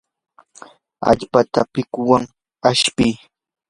allpata pikuwan ashpii.